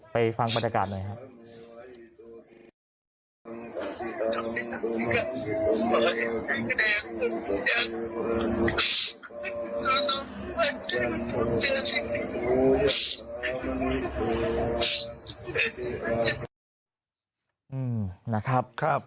ฟังบรรยากาศหน่อยครับ